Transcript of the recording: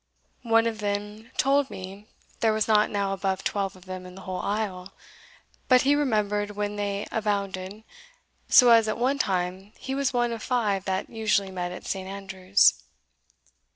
One of them told me there were not now above twelve of them in the whole isle; but he remembered when they abounded, so as at one time he was one of five that usually met at St. Andrews."